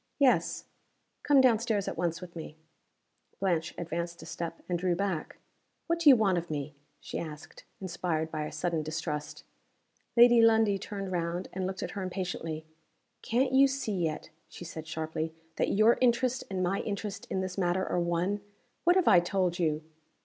"Yes." "Come down stairs at once with me." Blanche advanced a step and drew back. "What do you want of me?" she asked, inspired by a sudden distrust. Lady Lundie turned round, and looked at her impatiently. "Can't you see yet," she said, sharply, "that your interest and my interest in this matter are one? What have I told you?"